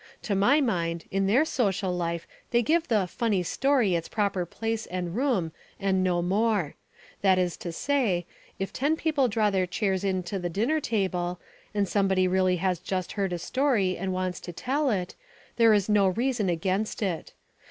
To my mind in their social life they give the "funny story" its proper place and room and no more. That is to say if ten people draw their chairs in to the dinner table and somebody really has just heard a story and wants to tell it, there is no reason against it.